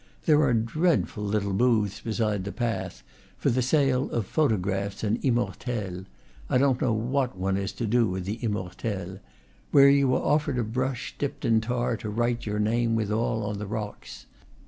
There are dreadful little booths beside the path, for the sale of photographs and immortelles, I don't know what one is to do with the immortelles, where you are offered a brush dipped in tar to write your name withal on the rocks.